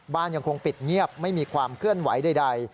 ยังคงปิดเงียบไม่มีความเคลื่อนไหวใด